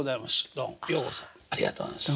どうもようこそありがとうございます。